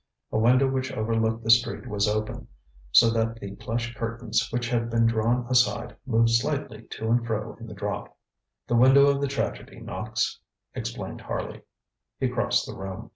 A window which overlooked the street was open, so that the plush curtains which had been drawn aside moved slightly to and fro in the draught. ŌĆ£The window of the tragedy, Knox, ŌĆØ explained Harley. He crossed the room.